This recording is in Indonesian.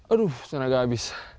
aduh tenaga abis